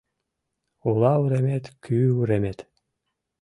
Ола уремет — кӱ уремет